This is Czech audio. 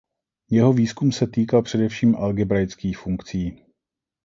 Jeho výzkum se týkal především algebraických funkcí.